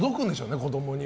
子供には。